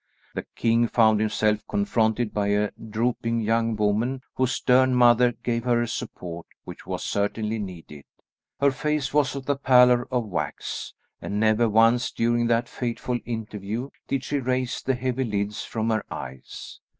The king found himself confronted by a drooping young woman whose stern mother gave her a support which was certainly needed. Her face was of the pallor of wax; and never once during that fateful interview did she raise the heavy lids from her eyes.